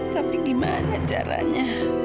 tapi gimana caranya